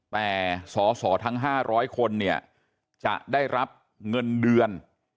แต่สอสอทั้ง๕๐๐คนเนี่ยจะได้รับเงินเดือน